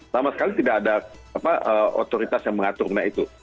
sama sekali tidak ada otoritas yang mengatur mengenai itu